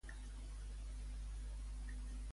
Assegura que la majoria no vol “trencar” Catalunya.